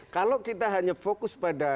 kalau kita hanya fokus pada